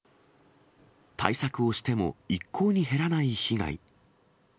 対策をしても、一向に減らない被害。